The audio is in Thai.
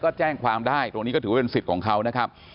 ก็แจ้งความได้ตรงนี้ก็ถือว่าเป็นสิทธิ์ของเขานะครับ